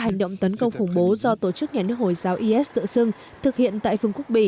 hành động tấn công khủng bố do tổ chức nhà nước hồi giáo is tự xưng thực hiện tại phương quốc b